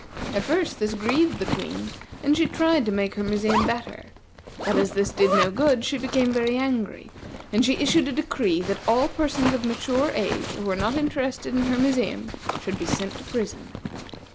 At first this grieved the Queen, and she tried to make her museum better; but as this did no good, she became very angry, and she issued a decree that all persons of mature age who were not interested in her museum should be sent to prison.